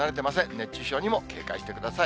熱中症にも警戒してください。